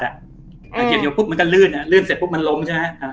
เหยียบนิ้วมันก็ลื่นรืนเสร็จปุ๊บมันล้มใช่ไหม